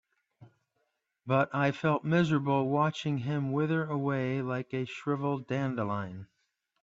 But I felt miserable watching him wither away like a shriveled dandelion.